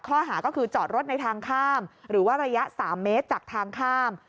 ข้อหาก็คือจอดรถในทางข้ามหรือว่าระยะ๓เมตรจากทางข้าม